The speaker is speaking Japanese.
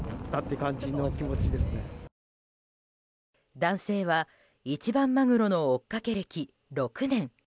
男性は一番マグロの追っかけ歴６年。